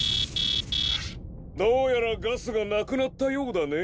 どうやらガスがなくなったようだね。